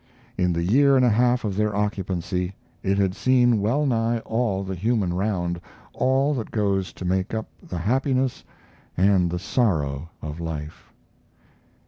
In the year and a half of their occupancy it had seen well nigh all the human round, all that goes to make up the happiness and the sorrow of life.